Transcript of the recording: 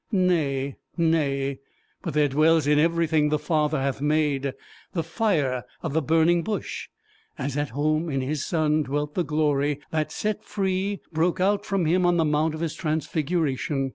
Nay, nay, but there dwells in everything the Father hath made, the fire of the burning bush, as at home in his son dwelt the glory that, set free, broke out from him on the mount of his transfiguration.